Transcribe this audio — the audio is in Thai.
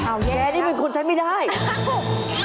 อ้าวแย่นะแกนี่เป็นคนใช้ไม่ได้โอ้โฮ